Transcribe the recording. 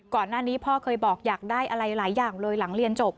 ก่อนหน้านี้พ่อเคยบอกอยากได้อะไรหลายอย่างเลยหลังเรียนจบ